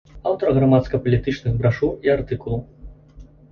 Аўтар грамадска-палітычных брашур і артыкулаў.